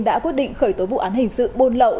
đã quyết định khởi tố vụ án hình sự buôn lậu